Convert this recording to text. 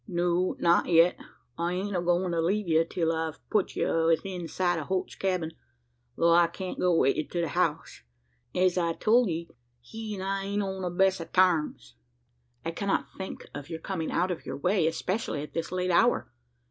'" "No not yet. I ain't a goin' to leave ye, till I've put you 'ithin sight o' Holt's cabin, tho' I can't go wi' ye to the house. As I told ye, he an' I ain't on the best o' tarms." "I cannot think of your coming out of your way especially at this late hour.